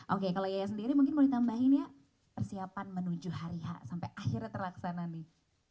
oke kalau yaya sendiri mungkin boleh tambahin ya persiapan menuju hari h sampai akhirnya terlaksana nih